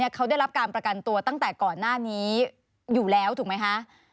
เขาได้รับการประกันตัวตั้งแต่ก่อนหน้านี้อยู่แล้วถูกไหมคะ